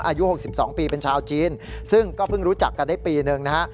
อายุ๖๒ปีเป็นชาวจีนซึ่งก็เพิ่งรู้จักกันได้ปีหนึ่งนะฮะ